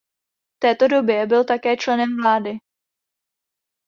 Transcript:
V této době byl také členem vlády.